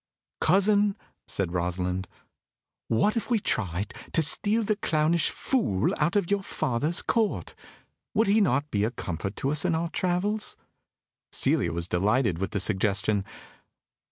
"Cousin," said Rosalind, "what if we tried to steal the clownish fool out of your father's Court? Would he not be a comfort to us in our travels?" Celia was delighted with the suggestion.